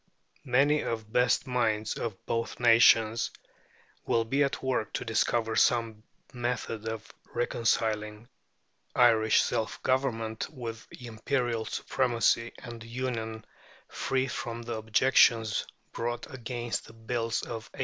Many of the best minds of both nations will be at work to discover some method of reconciling Irish self government with imperial supremacy and union free from the objections brought against the Bills of 1886.